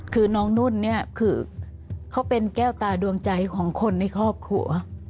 คือน้องนุ่นเนี่ยคือเขาเป็นแก้วตาดวงใจของคนในครอบครัว